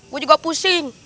gua juga pusing